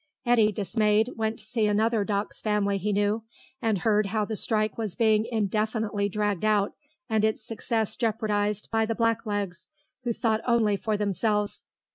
Eddy, dismissed, went to see another Docks family he knew, and heard how the strike was being indefinitely dragged out and its success jeopardised by the blacklegs, who thought only for themselves.